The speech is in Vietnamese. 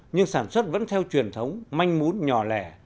nhưng sản xuất vẫn theo truyền thống manh mún nhỏ lẻ